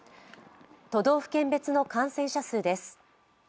都道府県別の感染者数です。